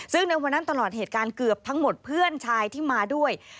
ซึ่งในวันนั้นตลอดเหตุการณ์เกือบทั้งหมดเพื่อนชายที่มาด้วย